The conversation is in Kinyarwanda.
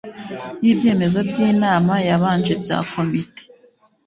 ry ibyemezo by inama yabanje bya Komite